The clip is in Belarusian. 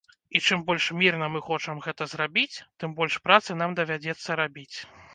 І чым больш мірна мы хочам гэта зрабіць, тым больш працы нам давядзецца рабіць.